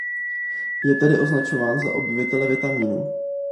Je tedy označován za „objevitele vitamínů“.